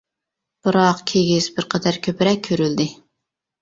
بىراق كىگىز بىر قەدەر كۆپرەك كۆرۈلدى.